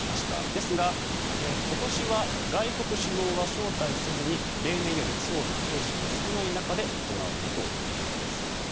ですが、今年は外国首脳は招待せずに例年より装備・兵士が少ない中で行われるということです。